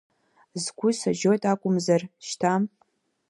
Сгәы сажьоит акәымзар, шьҭа…